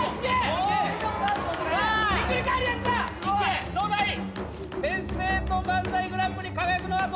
初代先生と漫才グランプリに輝くのはどのコンビなのか。